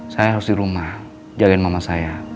saya harus di rumah jagain mama saya